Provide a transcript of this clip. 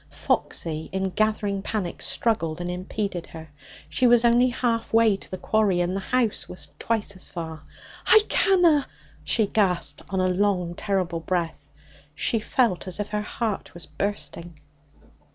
Foxy, in gathering panic, struggled and impeded her. She was only half way to the quarry, and the house was twice as far. 'I canna!' she gasped on a long terrible breath. She felt as if her heart was bursting.